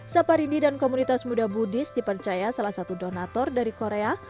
saparindi dan komunitas muda buddhis dipercaya salah satu donator dari korea